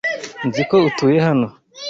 Nzi ko utuye hano.